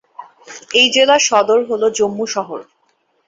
এই জেলার সদর হল জম্মু শহর।